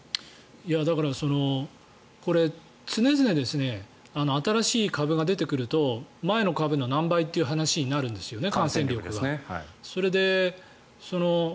だから常々新しい株が出てくると前の株の何倍という話になるんですよね。